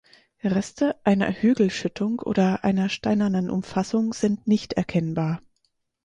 Reste einer Hügelschüttung oder einer steinernen Umfassung sind nicht erkennbar.